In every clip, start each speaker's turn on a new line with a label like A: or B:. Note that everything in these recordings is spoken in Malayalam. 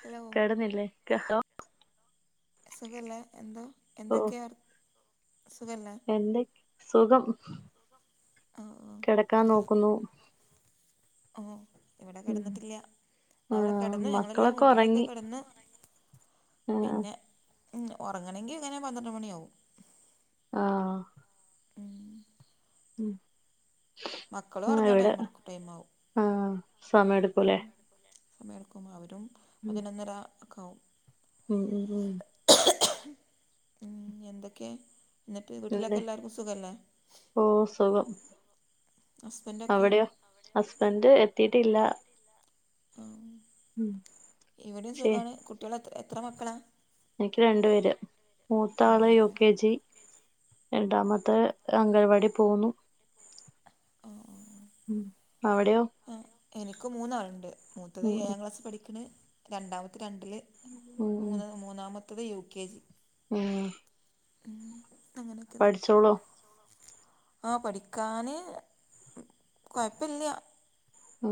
A: ഹലോ
B: കിടന്നില്ലേ കേട്ടേ
A: സുഖല്ലേ എന്താ എന്തൊക്കെയ സുഖല്ലേ?
B: എന്ത് സുഖം
A: ഓ ഓ
B: കിടക്കാൻ നോക്കുന്നു.
A: ഓ ഇവിടെ
B: ഉം
A: കിടന്നിട്ടില്ല
B: ആ
A: അവിടെ കിടന്ന് ഞങ്ങളെല്ലാം
B: മക്കളൊക്കെ
A: വീട്ടിലേക്ക്
B: ഉറങ്ങി
A: കിടന്നു
B: ആ
A: പിന്നെ ഉറങ്ങണങ്കിൽ ഇങ്ങനെ പന്ത്രണ്ട് മണിയാവും.
B: ആഹ
A: ഉം
B: [unintelligible]
A: മക്കളും ഉറങ്ങാൻ
B: ഇവിടെ
A: ടൈം എടുക്കും ടൈമാവും
B: ആഹ സമയം എടുക്കുല്ലേ?
A: സമയെടുക്കും അവരും
B: ഉം
A: പതിനൊന്നര ഒക്കാവും.
B: ഉം ഉം ഉം
A: ഉം എന്തൊക്കെയ എന്നിട്ട്
B: എന്തെ
A: വീട്ടിലൊക്കെ എല്ലാർക്കും സുഖല്ലേ?
B: ഓ സുഖം
A: ഹസ്ബൻഡൊക്കെ
B: അവിടെയോ? ഹസ്ബൻഡ് എത്തിട്ടില്ല.
A: ആ
B: ഉം
A: ഇവിടെയും
B: ശേ
A: സുഖാണ് കുട്ടികൾ എത്ര എത്ര മക്കളാ?
B: എനിക്ക് രണ്ടു പേര്
A: രണ്ട്
B: മൂത്താള് യു
A: പേരല്ലേ
B: കെ ജി രണ്ടാമത്തെ അംഗൻവാടി പോകുന്നു.
A: ആആ ആ
B: ഉം അവിടെയോ?
A: ആ എനിക്ക് മൂന്നാളുണ്ട് മൂത്തത്
B: ഉം
A: ഏഴാം ക്ലാസ് പഠിക്ക്ണ്. രണ്ടാമത്തെ രണ്ടില്
B: ഉം ഉം
A: മൂന്ന് മൂന്നാമത്തേത് യു കെ ജി.
B: ഉം
A: ഉ അങ്ങനൊക്കാണ്
B: പഠിച്ചോളൂ
A: ആ പഠിക്കാന് കെഴപ്പില്ല.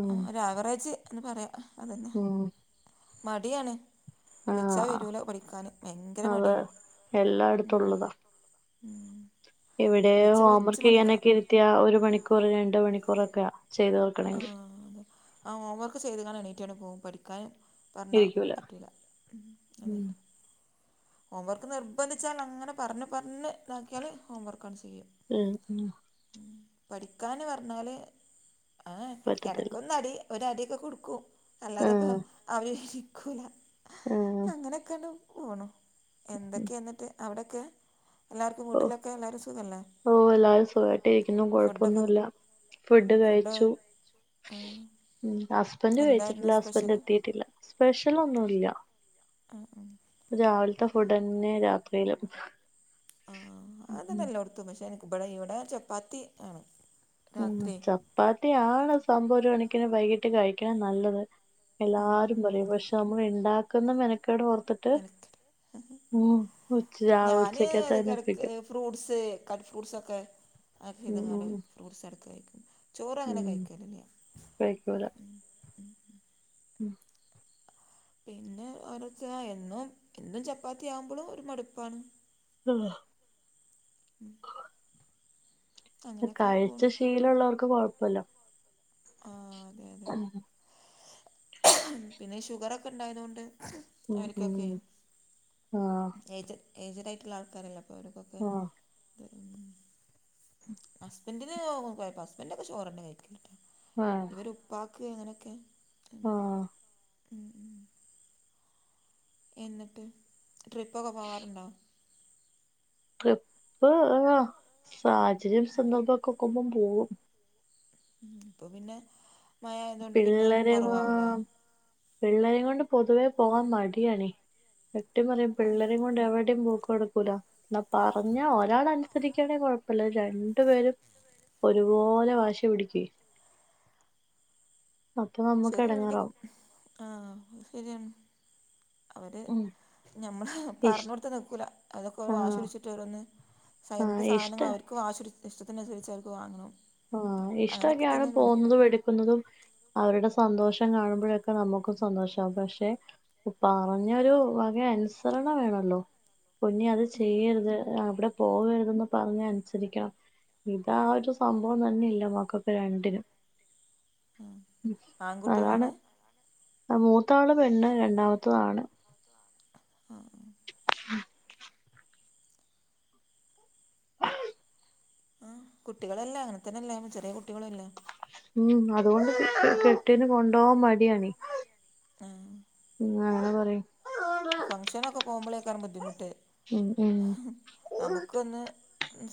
B: ഉം
A: ആ ഒരു ആവറേജ് എന്ന് പറയാ അതന്നെ
B: ഉം
A: മടിയാണ്. വിളിച്ചാ
B: ആ
A: വരൂല പഠിക്കാന് ഭയങ്കര
B: അതെ
A: മടിയാണ് ഉ
B: എല്ലായിടത്തുള്ളതാ
A: ഉം
B: ഇവിടെ
A: വിളിച്ച്
B: ഹോം
A: വിളിച്ച്
B: വർക്ക്
A: മടുക്കണം
B: ചെയ്യാനൊക്കെ ഇരുത്തിയ ഒരു മണിക്കൂർ രണ്ട് മണിക്കൂറൊക്കെയ ചെയ്തോർ
A: ആഹ അ ഹോംവർക്ക് ചെയ്തുക്കാണ്ട് എണീറ്റാണ്ട് പോകും പഠിക്കാന്. പറഞ്ഞാ
B: ഇരിക്കൂല
A: പറ്റൂല്ല
B: ഉം
A: അതന്നെ ഹോംവർക്ക് നിർബന്ധിച്ചാൽ അങ്ങനെ പറഞ്ഞ് പറഞ്ഞ് ഇതാക്കിയാൽ ഹോംവർക്കാണ്ട് ചെയ്യും.
B: ഉം ഉം
A: പഠിക്കാന് പറഞ്ഞാല് ഏ
B: പറ്റത്തില്ല
A: എടക്കൊന്ന് അടി ഒരടിയൊക്കെ കൊടുക്കും അല്ലാതെപ്പോ
B: ആഹ്
A: അവര് ഇരിക്കൂല
B: ആഹ്
A: അങ്ങനെയൊക്കെയാണ് പോണു എന്തൊക്കെയന്നിട്ട് അവിടൊക്കെ
B: ഓ ഓ എല്ലാരും സുഖായിട്ട് ഇരിക്കുന്നു കൊഴപ്പൊന്നുല്ല ഫുഡ്
A: ഫുഡൊക്കെ
B: കഴിച്ചു. ഹസ്ബന്ഡ്
A: എന്തായിരുന്നു
B: കഴിച്ചിട്ടില്ല. ഹസ്ബന്ഡ
A: സ്പെഷ്യല്
B: എത്തിയിട്ടില്ല. സ്പെഷ്യൽ ഒന്നുല്ല.
A: ആഹ് ആഹ്.
B: രാവിലത്തെ ഫുഡ്ന്നെ രാത്രിയിലും.
A: ആ
B: ഉം
A: അതന്നെ എല്ലോടത്തും പക്ഷേ എനിക്ക്വിടെ ഇ ഇവിടെ ചപ്പാത്തി ആണ്
B: മം
A: രാത്രി
B: ചപ്പാത്തി ആണ് സംഭവം ഒരു കണക്കിന് വൈകിട്ട് കഴിക്കണ നല്ലത്.
A: ഉം
B: എല്ലാരും പറയും. പക്ഷെ നമ്മൾ ഉണ്ടാക്കുന്ന മെനക്കേട് ഓർത്തിട്ട്
A: എനക്ക്
B: ത്തട്ട് ഉച്ച
A: ഞാന്
B: ഉച്ചക്കത്തെന്നെ
A: എടക്ക്
B: ഒപ്പിക്കും
A: ഫ്രൂട്ട്സ്. കട്ട് ഫ്രൂട്ട്സൊക്കെ. ആഹ
B: ഉം ഉം
A: ഇതുങ്ങനെ
B: ഉം
A: ഫ്രൂട്ട്സ് എടുക്ക കഴിക്കും. ചോറ് അങ്ങനെ കഴിക്കലില്ലാ.
B: വൈക്കൂല ഉം
A: പിന്നെ ഒരച്ച എന്നും എന്നും ചപ്പാത്തിയാവുമ്പളും ഒരു മടുപ്പാണ്
B: ആഹ
A: ഉം അങ്ങനെയൊക്കെ
B: കഴിച്ച്
A: പോണു
B: ശീലള്ളോർക്ക് കൊഴപ്പല്ല
A: ആഹാ അതെ അതെ പിന്നെ ഈ ഷുഗറൊക്കെ ഇണ്ടായതോണ്ട്
B: ഉം
A: അവര്കൊക്കെ
B: ഉം ആഹ്
A: എയ്ജ് ഏയ്ജഡായിട്ട്ള്ള ആൾക്കാരല്ലേ അപ്പ അവര്ക്കൊക്കെ
B: ആഹ്
A: ഹസ്ബൻഡ്ന് കൊഴപ്പാ ഹസ്ബൻഡൊക്കെ ചോറൊക്കെ കഴിക്കേണ്ട്ട്ടോ ഇവര് പ്പാക്ക് അങ്ങനക്കെ
B: ആഹ
A: ഉം ഉം എന്ന്ട്ട് ട്രിപ്പൊക്കെ പോവാറ്ണ്ടോ?
B: ട്രിപ്പ് ഹാ സാഹചര്യം സന്ദർഭൊക്കെ ഒക്കുമ്പം പോകും
A: ഇപ്പപിന്നെ മഴ ആയതോണ്ട് പിന്നെ കൊറവാവുലേ?
B: പിള്ളേരേം കൊണ്ട് പൊതുവേ പോവാം മടിയാണേ സത്യം പറയാ പിള്ളേരേം കൊണ്ട് എവിടേം പോക്ക് നടക്കു ല ന്നാ പറഞ്ഞ ഒരാളനുസരിക്കാണേ കൊഴപ്പല്ല രണ്ടു പേരും ഒരുപോലെ വാശി പിടുക്കേ അപ്പൊ നമ്മുക്ക്
A: ശരിയാണ്
B: എടങ്ങേറാവും
A: പിന്നെ ആഹാ അഹ്ശെരിയാണ് അവര്
B: ഉം
A: ഞമ്മള്
B: ഇഷ്
A: പറഞ്ഞോട്ത്ത് ന്ന്ക്കൂല അതൊക്കെ ഓൻ
B: ആഹ്
A: വാശിടിച്ചിട്ടോരോന്ന് സ
B: ആഹ്
A: എന്ത്
B: ഇഷ്ട
A: സാധനങ്ങളും അവര്ക്ക് വാശിടിച്ച് ഇഷ്ടത്തിനന്സരിച്ച് അവര്ക്ക് വാങ്ങണം
B: ആഹാ
A: അങ്ങനെയൊക്കെ
B: ഇഷ്ടൊക്കെയാണ്
A: തന്നെയാണ് ഇവിടേം
B: പോകുന്നതും എടുക്കുന്നതും അവരുടെ സന്തോഷം കാണുമ്പോഴൊക്കെ നമ്മക്കും സന്തോഷാവും പക്ഷെ പറഞ്ഞൊരുവകയനുസരണ വേണല്ലോ പൊന്നെ അത് ചെയ്യര്ത് അവ്ടെ പോവരുതെന്ന് പറഞ്ഞ അനുസരിക്കണം ഇത് ആഒരു സംഭവം തന്നെയില്ല മക്കക്ക് രണ്ടിനും
A: ഉം
B: അതാണ്
A: ആൺകുട്ടികളാണ്
B: ആ മൂത്താള് പെണ്ണ് രണ്ടാമത്തത് ആണ്
A: ആഹാ
B: [inaudible]
A: ആ കുട്ടികളെല്ലേ അങ്ങനതന്നെല്ലേ ചെറിയ കുട്ടികളു അല്ലേ
B: ഉം അതോണ്ട് കെട്ടിയോന് കൊണ്ടോവാം മടിയാണേ
A: ആഹ്
B: ഇന്നങ്ങന പറി
A: ഫംങ്ഷനൊക്കെ പോകുമ്പളേയ്ക്കാരം ബുദ്ധിമുട്ട്
B: ഉം ഉം
A: നമുക്കൊന്ന്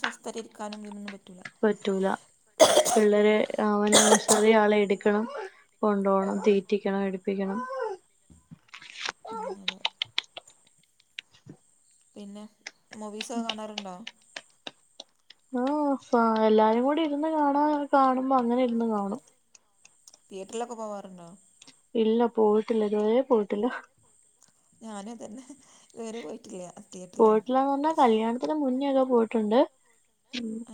A: സ്വസ്ഥായിട്ടിരിക്കാനുതിനൊന്നും പറ്റൂല്ല
B: പറ്റൂല പിള്ളേരെ അവനെം ചെറിയാളെ എട്ക്കണം കൊണ്ടോണം
A: ഉം
B: തീറ്റിക്കണം എടിപ്പിക്കണം
A: മ് അതെ പിന്നെ മൂവീസൊക്കെ കാണാറ്ണ്ടോ?
B: ആഹാ ആ എല്ലാരും കൂടി ഇരുന്ന്കാണാ കാണുമ്പോ അങ്ങനെര്ന്ന് കാണും
A: തിയറ്റർലൊക്കെ പോവാറ്ണ്ടോ?
B: ഇല്ല പോയിട്ടില്ല ഇതുവരെ പോയിട്ടില്ല
A: ഞാനു അതന്നെ ഇതുവരെ പോയിട്ടില്ല്യ
B: പോയിട്ടില്ലാന്ന് പറഞ്ഞാ കല്യാണത്തിന് മുന്നേയൊക്കെ പോയിട്ടുണ്ട്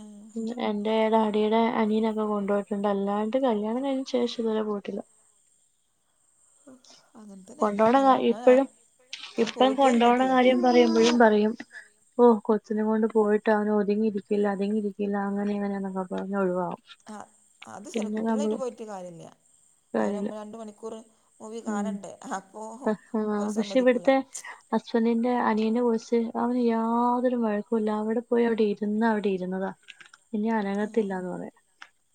A: ആ
B: എന്റെ ഡാഡിയുടെ അനിയനൊക്കെ കൊണ്ടോയിട്ടുണ്ട് അല്ലാണ്ട് കല്യാണം കഴിഞ്ഞേന് ശേഷം ഇത്‌വരെ പോയിട്ടില്ല.
A: അങ്ങനെ തന്നെ
B: കൊണ്ടോണ [unintelligible]
A: ഞാനും ഞാൻ
B: ഇപ്പഴും
A: ഞാൻ
B: ഇപ്പം
A: പോയിട്ടേ ഇല്ല
B: കൊണ്ടോണ
A: തിയേറ്റർ
B: കാര്യം പറയുമ്പഴും പറിയും ഓ, കൊച്ചിനെ കൊണ്ട് പോയിട്ട് അവനൊതുങ്ങിയിരിക്കില്ല അതങ്ങയിരിക്കില്ല അങ്ങനെയിങ്ങനയെന്നൊക്കെ പറഞ്ഞൊഴിവാവും.
A: [inaudible] അത് ശെരിയാ കുട്ടിളായിട്ട് പോയിട്ട് കാര്യല്ല്യ
B: കാര്യല്ല
A: അവരമ്മള് രണ്ട് മണിക്കൂർ മൂവി കാണണ്ടേ. ഹപ്പോ.
B: [unintelligible] പക്ഷേ വട്ത്തെ- ഹസ്ബന്റിന്റെ അനിയനെ കുറിച്ച് അവന് യാതൊരു വഴക്കുല്ല അവിടെ പോയി അവിടെ ഇരുന്ന അവിടെ ഇരുന്നതാ. ഇനി അനങ്ങത്തില്ല എന്ന് പറയ.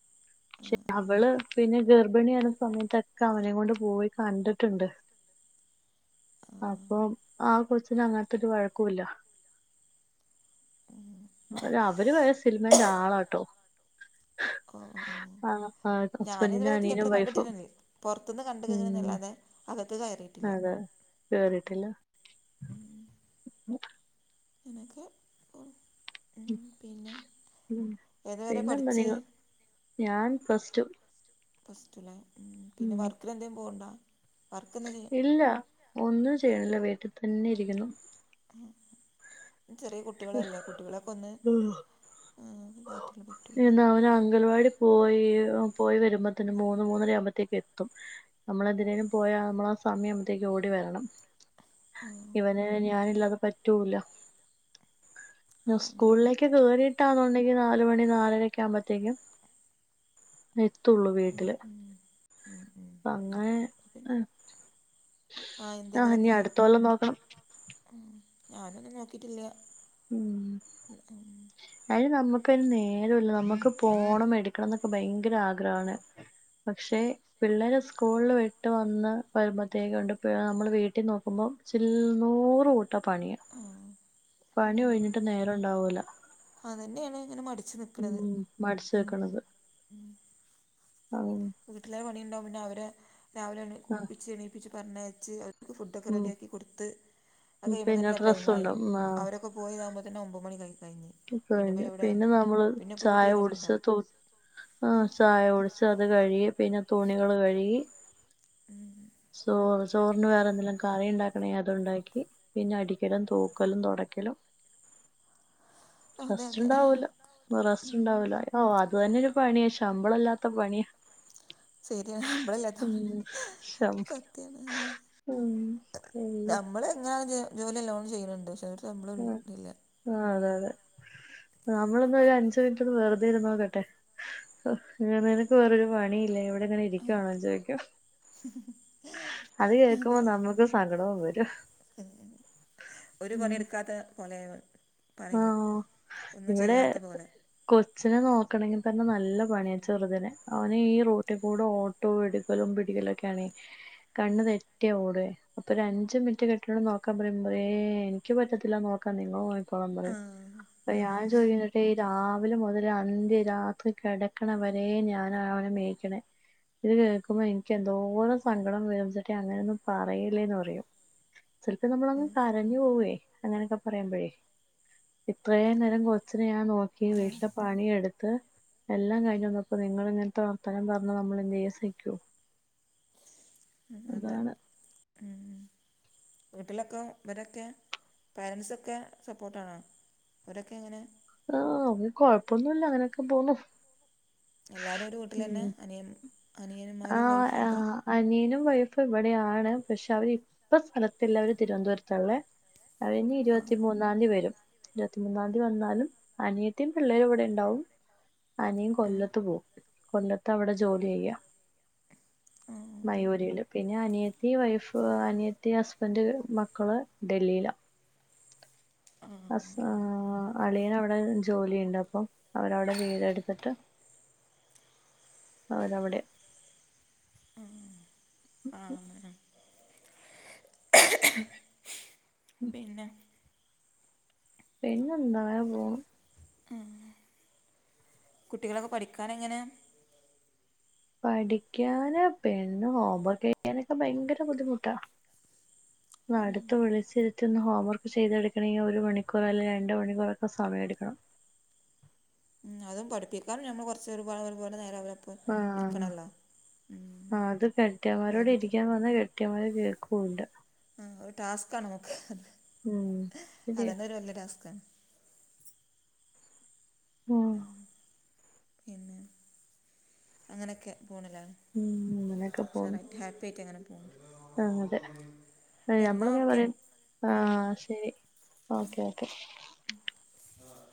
A: [inaudible]
B: ചേ, അവള് പിന്നെ ഗർഭിണിയാണ സമയത്തൊക്കെ അവനെകൊണ്ട് പോയി കണ്ട് ട്ട്ണ്ട്.
A: ആ
B: അപ്പം ആ കൊച്ന് അങ്ങൻത്തെരു വഴക്കുല്ല.
A: ആ ഉം
B: ര അവര് വരെ സിൽമൻ്റാളാട്ടോ.
A: ആഹ് ഞാനിതുവരെ ട
B: അനിയനും
A: തിയറ്റർ
B: വൈഫും
A: കണ്ടിട്ടില്ലെന്നേ പൊർത്തുന്ന് കണ്ടുക്കണ്
B: ഉം
A: ന്നല്ലാതെ. അകത്ത് കയറിയിട്ടില്ല.
B: കേറീട്ടില്ല.
A: [inaudible]
B: [unintelligible]
A: നിൻക്ക്.
B: ഉം
A: ഏതുവരെ
B: പിന്നെന്താ
A: പഠിച്ച്
B: നിങ്ങൾ ഞാൻ പ്ലസ് റ്റു.
A: പ്ലസ് റ്റു ലേ, ഉം പിന്നെ വർക്കിലെന്തേം പൊകുണ്ടോ? വർക്കെന്താ ചെയ്യാ
B: ല്ല ഒന്നും ചെയ്യണില്ല വീട്ടിൽ തെന്നെ ഇരിക്കുന്നു.
A: ഉം ചെറ്യേ കുട്ടികളല്ലേ കുട്ടികളെക്കൊന്ന്. ആഹ്. [unintelligible]
B: പിന്നെന്താ അവര് അംഗൽവാടി പോയി പോയിവരുമ്പത്തിന് മൂന്ന് മൂന്നര ആവുമ്പോത്തേക്കെത്തും. എത്തും. നമ്മളെന്തിനേലും പോയാ നമ്മൾ ആ സമയം ആകുബത്തേക്കും ഓടി വരണം.
A: ആ
B: ഇവന് ഞാനില്ലാതെ പറ്റൂല്ല.
A: ആ
B: നു
A: അങ്ങനെയൊക്കെ
B: സ്കൂൾലേക്ക് കേറിട്ടാന്നുണ്ടെങ്കി നാലുമണി നാലരെയൊക്കെ ആകുബത്തേക്കും. എത്തൊള്ളൂ
A: ഉം
B: വീട്ടില്.
A: ഉം ഉം ഉം
B: അപ്പൊ അങ്ങനെ
A: പിന്നെ. ആഹ്
B: ഇനി
A: എന്തെങ്കിലൊക്കെ
B: അടുത്ത കൊല്ലം നോക്കണം
A: ഉം ഞാനൊന്നും നോക്കീറ്റില്ല.
B: ഉം. അയിന് നമ്മക്കയ്ന് നേരോല്ല നമ്മക്ക് പോണം എടുക്കണം ന്നൊക്കെ ഭയങ്കര ആഗ്രഹാണ്. പക്ഷെ, പിള്ളേരെ സ്കൂൾല് വിട്ട് വന്ന്. വരുമ്പഴത്തെക്കും ഉണ്ട് പ്യാ നമ്മൾ വീട്ടിൽ നോക്കുമ്പോ ചിൽ നൂറുക്കൂട്ടം പണിയാ.
A: ഉം.
B: പണി ഒഴിഞ്ഞിട്ട് നേരണ്ടാവൂല.
A: അതെന്നേണ് ങ്ങനെ മട്ച്ച് നിക്ണത്
B: ഉം മടിച്ചു
A: ഉം ഉം.
B: ആവൂ.
A: വീട്ടിലെ പണിണ്ടാവും പിന്നെ അവരെ രാവിലെ എണി
B: ആ
A: കുൾപ്പിച്ച് എണീപ്പിച്ച് പറഞ്ഞയെച്ച് അവര് ഫുഡോക്കെ
B: ഉം
A: റെഡ്യാക്കി കൊട്ത്ത് അത്
B: പിന്നെ
A: കയുമ്പോതന്നെ ടൈമായി
B: ഡ്രസ്സുണ്ടാവും ആ
A: അവരെക്കെ കു പോയിതാകുബോതിന് ഓമ്പ മണി കൈ കൈഞ്.
B: [unintelligible] പിന്നെ നമ്മള് ചായ
A: വീട്ടിലെ
B: കുട്ച്ച്
A: പണിയുണ്ടാവും
B: തോ
A: ഉം
B: ആഹ് ചായകുട് ചത് കഴുകി പിന്നെ തുണികൾ കഴുകി.
A: ഉം.
B: ചോ ചോറ്ന് വേറെന്തെങ്കിലും കറി ണ്ടാക്കണെ അതുണ്ടാക്കി. പിന്നെ അടിക്കലും തൂക്കലും തൊടക്കലും.
A: [inaudible] അതെ
B: റസ്റ്റ്
A: അതെ
B: ണ്ടാവൂല റസ്റ്റ്ണ്ടാവൂല. ഓഹ് അത് തന്നൊരു പണ്യാ ശമ്പളല്ലാത്ത പണ്യ.
A: സെര്യാ സമ്പളല്ലാത്ത
B: ശം
A: സത്യാണ് ആഹ്
B: ഉം അയ്യോ
A: നമ്മളെങ്ങനാണെങ്കിലു ജോല്യല്ലോണം ചെയ്യ്ണ് ണ്ട് ഷെ രു ശമ്പളും
B: ആഹ്
A: തില്ല ഉം.
B: നമ്മളൊന്നൊരു അഞ്ച് മിൻറ്റ് ഒന്ന് വെറുതെ ഇരുന്നോക്കട്ടെ. [unintelligible] നിനക്ക് വേറൊരു പണില്ലേഇവടെ. ഇങ്ങനെ ഇരിക്കണോന്ന് ചോദിക്കും അത് കേൾക്കുമ്പോ നമുക്ക് സങ്കടവും വരും
A: മഹ് ഒരു
B: ഉം
A: പണിയെടുക്കാത്ത പോലെയാണ് പറയല്
B: ആഹ് ഇവിടെ
A: ഒന്നുംചെയ്യാത്തപോലെ
B: കൊച്ചിനെ നോക്കാണെങ്കിതന്നെ നല്ലപണിയാ ചെറ്തിനെ അവന് ഈ റോട്ടി കൂടെഓ ട്ടോ എടുക്കലും പിടിക്കലൊക്കെയാണേ കണ്ണ് തെറ്റിയാ ഓടെ അപ്പൊരഞ്ചു മിനിറ്റ് കെട്ടിയോനോട് നോക്കാൻ പറയുമ്പോ ഏ എനിക്ക് പറ്റത്തില്ല നോക്കാൻ നിങ്ങള് നോ ക്കോളാം
A: ആ
B: പറയും അപ്പ
A: ആ
B: ഞാൻ ചോയി എ രാവിലെ മുതൽ അന്ത്യ രാത്രി കിടക്കണവരെ ഞാനാ അവനെ മേക്കണേ. ഇത് കേൾക്കുമ്പോ എനിക്ക് എന്തോരം സങ്കടം വിരുംച്ചിട്ടെ അങ്ങനെയൊന്നും പറയല്ലേന്ന് പറയും
A: [inaudible]
B: ചെലപ്പം നമ്മളങ്ങ് കരഞ്ഞു പോവേ അങ്ങനെയൊക്കെ പറയുമ്പോഴേ ഇത്രയുംനേരം കൊച്ചിനെഞാൻ നോക്കി
A: ആ
B: വീട്ടിലെപണിയെടു ത്ത് എല്ലാം കഴിഞ്ഞുവന്നപ്പോ നിങ്ങള് ഇങ്ങനത്തെ വർത്താനം പറഞ്ഞ നമ്മള് എന്തെയ്യ സഹിക്കോ
A: മഹ് അതെ
B: അതാണ്
A: മഹ് വീട്ടിലൊക്കെ ഇവരൊക്കെ പേരെൻസൊക്കെ സപ്പോർട്ടാണോ? അവരൊക്കെ എങ്ങനെ?
B: ആഹ് അവര് കൊഴപ്പൊന്നുല്ല അങ്ങനൊക്കെപോന്നു
A: എല്ലാരും ഒരു വീട്ടിലെന്നെ അനിയൻ അനിയന്മാരും
B: ആഹ്
A: വൈഫൊക്കെ?
B: ആഹ് അനിയനും വൈഫും ഇവിടെയാണ് പക്ഷെ അവരിപ്പ സ്ഥലത്തില്ല അവര് തിരുവനന്തപുരത്താള്ളെ കഴിഞ്ഞ
A: ആ
B: ഇരുപത്തിമൂന്ന് ന്നാന്തി വരും ഇരുവത്തിമൂന്നാന്തി വന്നാലും അനിയത്തിയും പിള്ളേരും ഇവിടെണ്ടാവും അനിയൻ
A: ആ
B: കൊല്ലത്ത് പോവും കൊല്ലത്ത് അവിടെ ജോലി ചെയ്യാ.
A: ആ
B: മയൂരിയില് പിന്നെ അനിയത്തി വൈഫ് അനിയത്തി ഹസ്ബൻഡ് മക്കള് ഡെല്ലിയില
A: ആ
B: ഹസ് ആഹ് ആഹ് അളിയനവിടെ ജോലിയിണ്ട് അപ്പം അവരവിടെ വീടെടുത്തിട്ട്
A: [inaudible]
B: അവരവിടെ
A: മഹ് ആഹ് പിന്നെ
B: പിന്നെന്താങ്ങനെപോണു
A: ഏഹ് കുട്ടികളൊക്കെ പഠിക്കാനെങ്ങനെ?
B: പഠിക്കാന് പെണ്ണ് ഹോംവർക്ക് ചെയ്യാനൊക്കെ ഭയങ്കര ബുദ്ധിമുട്ടാ
A: [inaudible]
B: വാ അടുത്ത് വിളിച്ചിരുത്തിഒന്ന് ഹോം വർക്ക് ചെയ്തെടുക്കണെങ്കിൽ ഒരു മണിക്കൂർ അല്ലങ്കി രണ്ട് മണിക്കൂറൊക്കെ സമയെടുക്കണം
A: ന്നാലും പഠിപ്പിക്കാൻ ഞമ്മ കൊറച്ചൊരു ഒരുപാട് ഒരുപോലെ [unintelligible]
B: ആഹ് ആഹ് അത് കെട്ടിയോമാരോട്
A: വൈകിട്ട്
B: ഇരിക്കാമ്പറഞാ കെട്ടയോമ്മാര് കേൾക്കൂല്ല
A: ആഹ് ഒരു ടാസ്ക്കാണ് നമുക്ക്
B: ഉം ശരിയാ
A: അതന്നൊരു വല്ല്യ ടാസ്കാണ്
B: ഉം
A: ആഹ് പിന്നെ അങ്ങനെയൊക്കെ പോണ്ലേ
B: ഉം
A: ഉഷാറായിട്ടു ഹാപ്പിയാട്ടങ്ങനെ
B: ആഹ് അതെ ഞമ്മള്
A: എന്നാൽ
B: എങ്ങനെ
A: ഓക്കെ
B: പറയും ആ ശരി ഓക്കെ ഓക്കെ
A: ആ